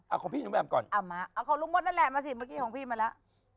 เอาของพี่หนุ่มแอมก่อนเอามาเอาของลุงมดนั่นแหละมาสิเมื่อกี้ของพี่มาแล้ว